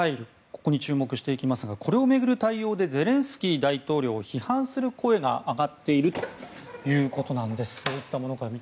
ここに注目していきますがこれを巡る対応でゼレンスキー大統領を批判する声が上がっているということです。